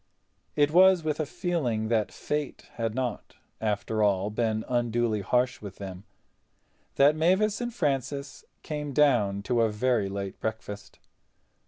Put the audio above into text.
It was with a feeling that Fate had not, after all, been unduly harsh with them that Mavis and Francis came down to a very late breakfast.